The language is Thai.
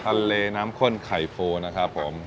ต้มยำทะเลน้ำข้นไข่ฟูนะครับผม